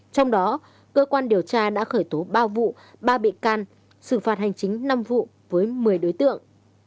trong đó cơ quan điều tra đã khởi tố ba vụ ba bị can xử phạt hành chính năm vụ với một mươi đối tượng